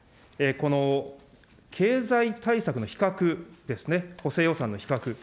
この経済対策の比較ですね、補正予算の比較。